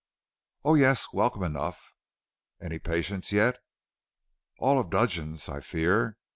"Oh, yes, welcome enough." "Any patients yet?" "All of Dudgeon's, I fear.